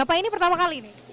apa ini pertama kali nih